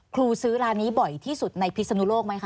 ซื้อร้านนี้บ่อยที่สุดในพิศนุโลกไหมคะ